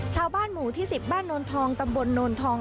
ชาวบ้านหมู่ที่๑๐บ้านโนนทองตำบลโนนทอง